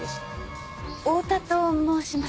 大田と申します。